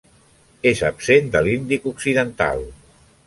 És absent de l'Índic occidental.